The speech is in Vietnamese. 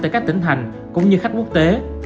tại các tỉnh thành cũng như khách quốc tế